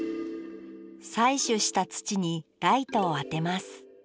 採取した土にライトを当てます。